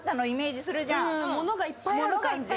物がいっぱいあるでしょ。